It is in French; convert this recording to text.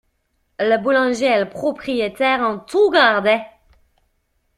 Le boulanger et le propriétaire ont tout gardé!